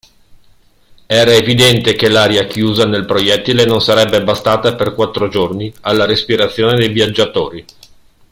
Era evidente che l'aria chiusa nel proiettile non sarebbe bastata per quattro giorni alla respirazione dei viaggiatori.